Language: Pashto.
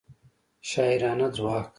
شاعرانه ځواک